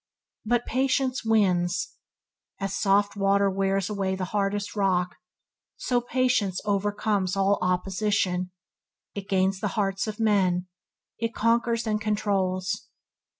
But patience wins. As soft water wears away the hardest rock, so patience overcomes all opposition. It gains the hearts of men. It conquers and controls.